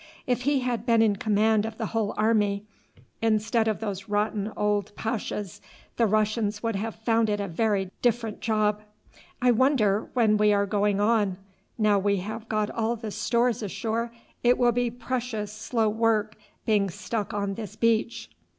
If he had been in command of the whole army, instead of those rotten old pashas, the Russians would have found it a very different job. I wonder when we are going on. Now we have got all the stores ashore it will be precious slow work being stuck on this beach."